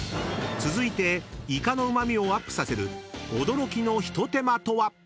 ［続いてイカのうま味をアップさせる驚きの一手間とは⁉］